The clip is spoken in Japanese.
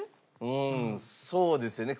うんそうですよね。